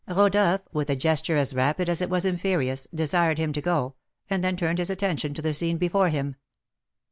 Rodolph, with a gesture as rapid as it was imperious, desired him to go, and then turned his attention to the scene before him.